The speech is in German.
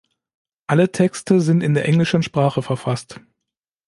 Alle Texte sind in der englischen Sprache verfasst.